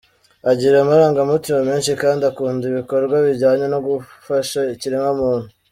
Agira amarangamutima menshi kandi akunda ibikorwa bijyanye no gufasha ikiremwamuntu.